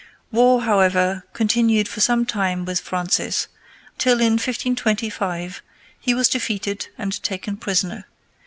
War, however, continued for some time with Francis, till, in 1525, he was defeated and taken prisoner.